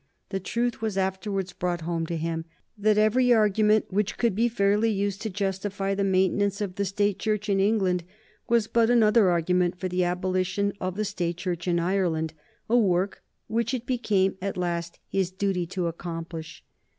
The truth was afterwards brought home to him that every argument which could be fairly used to justify the maintenance of the State Church in England was but another argument for the abolition of the State Church in Ireland a work which it became at last his duty to accomplish.